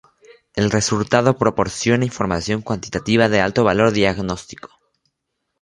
El resultado proporciona información cuantitativa de alto valor diagnóstico.